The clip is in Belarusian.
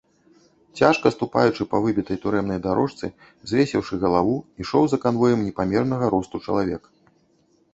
Цяжка ступаючы па выбітай турэмнай дарожцы, звесіўшы галаву, ішоў за канвоем непамернага росту чалавек.